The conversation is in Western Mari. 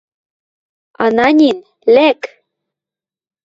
Ананин, лӓк!